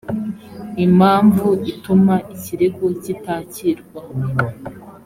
impamvu ituma ikirego kitakirwa